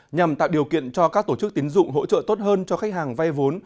nhằm tạo điều kiện cho các tổ chức tín dụng hỗ trợ tốt hơn cho khách hàng vay vốn